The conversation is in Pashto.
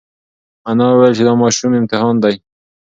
انا وویل چې دا ماشوم امتحان دی.